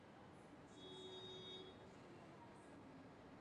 یہ ملک کے لئے کوئی نیک شگون نہیں۔